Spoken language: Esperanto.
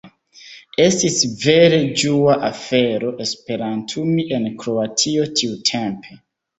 Estis vere ĝua afero esperantumi en Kroatio tiutempe.